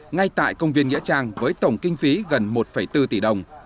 ngay tại công viên nghĩa trang với tổng kinh phí gần một bốn tỷ đồng